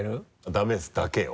「ダメです」だけを？